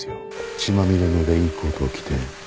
血まみれのレインコートを着て逃げ去る奴を。